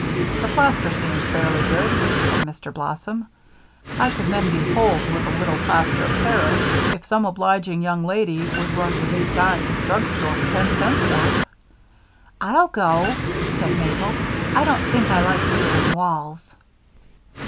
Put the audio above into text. "The plaster seems fairly good," said Mr. Blossom. "I could mend these holes with a little plaster of Paris if some obliging young lady would run with this dime to the drugstore for ten cents' worth." "I'll go," said Mabel. "I don't think I like peeling walls."